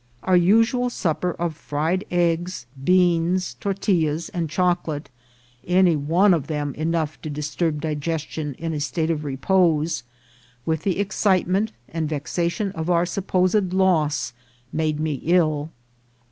Our usual supper of fried eggs, beans, tortillas, and chocolate, any one of them enough to disturb di gestion in a state of repose, with the excitement and vexation of our supposed loss, made me ill.